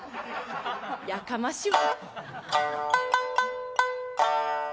やかましわ。